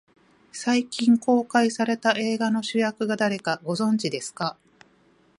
最近公開された映画の主役が誰か、ご存じですか。